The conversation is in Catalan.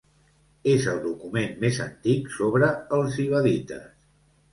És el document més antic sobre els ibadites.